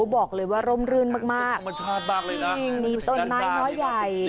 บอกเลยว่าร่มรื่นมากมีต้นไม้ท้อใหญ่